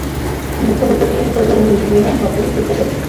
মুখ্য সত্যটি হইল মণি, গৌণ ভাবগুলি পেটিকা স্বরূপ।